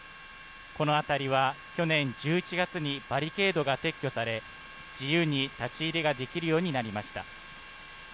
この辺りは去年１１月にバリケードが撤去され、自由に立ち入りができるようになりました。